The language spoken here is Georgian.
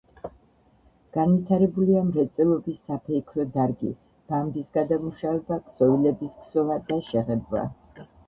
განვითარებულია მრეწველობის საფეიქრო დარგი: ბამბის გადამუშავება, ქსოვილების ქსოვა და შეღებვა.